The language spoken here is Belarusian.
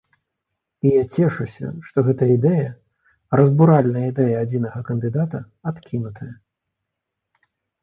І я цешуся, што гэтая ідэя, разбуральная ідэя адзінага кандыдата, адкінутая.